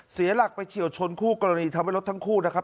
เสียหลักไปเฉียวชนคู่กรณีทำให้รถทั้งคู่นะครับ